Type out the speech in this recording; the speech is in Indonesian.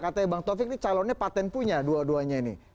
katanya bang taufik ini calonnya patent punya dua duanya ini